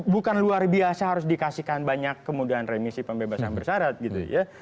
bukan luar biasa harus dikasihkan banyak kemudahan remisi pembebasan bersarat gitu ya